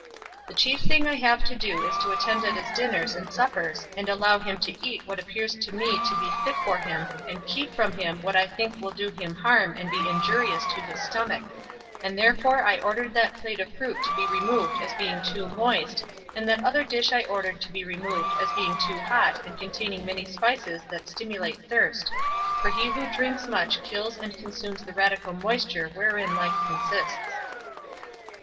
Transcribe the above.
The chief thing I have to do is to attend at his dinners and suppers and allow him to eat what appears to me to be fit for him, and keep from him what I think will do him harm and be injurious to his stomach; and therefore I ordered that plate of fruit to be removed as being too moist, and that other dish I ordered to be removed as being too hot and containing many spices that stimulate thirst; for he who drinks much kills and consumes the radical moisture wherein life consists."